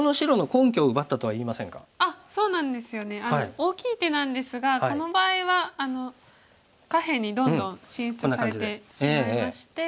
大きい手なんですがこの場合は下辺にどんどん進出されてしまいまして。